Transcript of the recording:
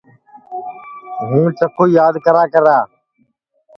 ہُوں چکُو یاد کراکرا